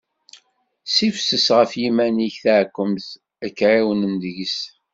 Ssifses ɣef yiman-ik taɛekkemt, ad k-ɛiwnen deg-s.